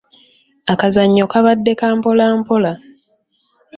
Akazannyo kabadde ka mpola mpola.